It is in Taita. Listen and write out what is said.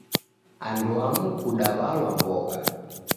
Anduamu kudaw'alwa mbogha.